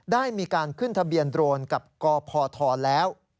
ได้มีการขึ้นทะเบียนโดรนกับกพทแล้ว